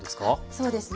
そうですね。